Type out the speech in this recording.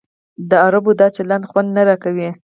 د عربو دا چلند خوند نه راکوي.